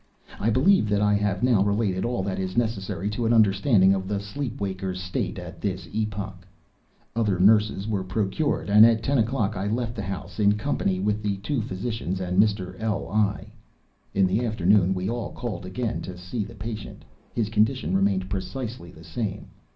I believe that I have now related all that is necessary to an understanding of the sleep waker's state at this epoch. Other nurses were procured; and at ten o'clock I left the house in company with the two physicians and Mr. L—l. In the afternoon we all called again to see the patient. His condition remained precisely the same.